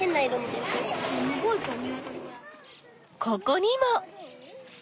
ここにも！